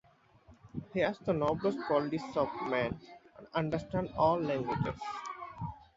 He has the noblest qualities of man and understands all languages.